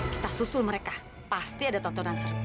kita susul mereka pasti ada toto dancer